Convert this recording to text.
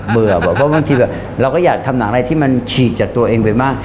เบื่อบว่าบางทีเราก็อยากทำหนังอะไรที่มันชีจากตัวเองไปมาก